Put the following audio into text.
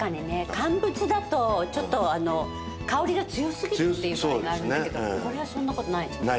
乾物だとちょっとあの香りが強すぎるっていう場合があるんですけどこれはそんな事ないですもんね。